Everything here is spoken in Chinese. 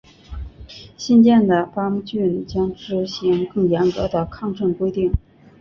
新建的巴姆郡将执行更严格的抗震规定。